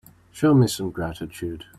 Show me some gratitude.